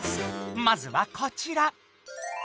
まずはこちら。